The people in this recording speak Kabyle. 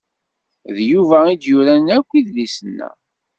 D Yuba i d-yuran akk idlisen-a.